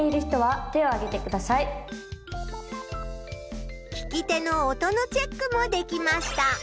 聞き手の音のチェックもできました。